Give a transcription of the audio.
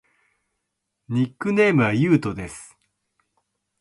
ニックネームはゆうとです。